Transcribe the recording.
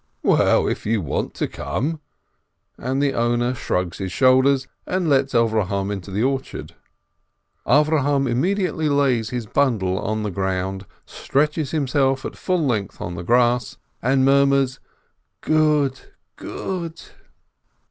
"Well, if you want io come !" and the owner shrugs his shoulders, and lets Avrohom into the orchard. Avrohom immediately lays his bundle on the ground, stretches himself out full length on the grass, and mur murs, "Good ! good